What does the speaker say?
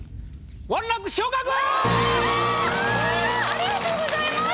ありがとうございます。